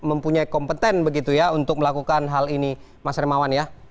yang tidak punya kompeten begitu ya untuk melakukan hal ini mas hermawan ya